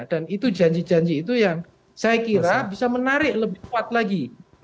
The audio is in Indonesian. itu janji janji itu yang saya kira bisa menarik lebih kuat lagi